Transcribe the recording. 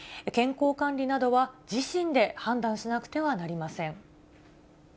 健康管理などは自身で判断しなくてはなりません。